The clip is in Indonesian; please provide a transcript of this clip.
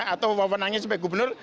atau wawonannya sebagai gubernur